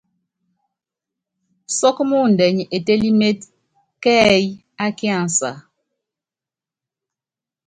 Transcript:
Sɔ́k muundɛ nyi etélíméte káyií ákiansɛ?